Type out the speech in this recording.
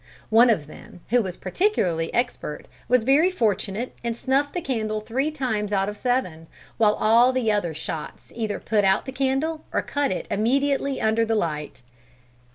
One of them, who was particularly expert, was very fortunate and snuffed the candle three times out of seven; while all the other shots either put out the candle or cut it immediately under the light."